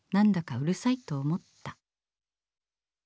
うるさいとおもった」。